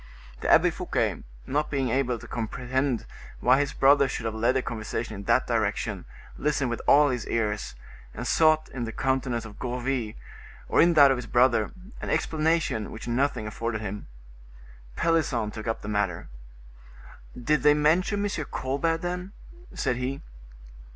The Abbe Fouquet, not being able to comprehend why his brother should have led the conversation in that direction, listened with all his ears, and sought in the countenance of Gourville, or in that of his brother, an explanation which nothing afforded him. Pelisson took up the matter:—"Did they mention M. Colbert, then?" said he.